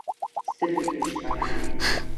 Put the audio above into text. سترګې پرې ښکارېدې.